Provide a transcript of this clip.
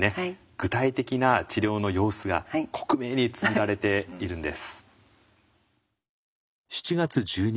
具体的な治療の様子が克明につづられているんです。